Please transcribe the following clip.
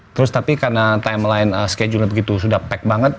terus tapi karena timeline schedule gitu sudah pack banget